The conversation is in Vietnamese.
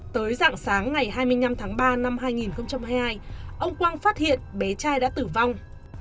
tới dạng sáng ngày hai mươi năm tháng ba năm hai nghìn hai mươi hai ông quang phát hiện bé trai đã tử vong